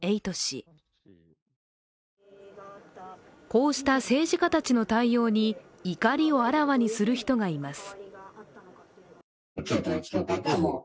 こうした政治家たちの対応に、怒りをあらわにする人がいます。